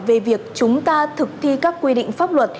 về việc chúng ta thực thi các quy định pháp luật